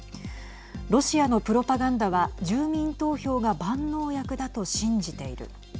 ロシアのプロパガンダは住民投票が万能薬だと信じている。